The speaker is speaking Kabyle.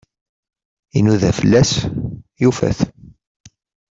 Inuda fell-as, yufa-t.